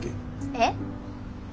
えっ？